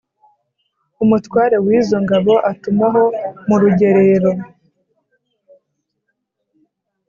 umutware wizo ngabo atumaho murugerero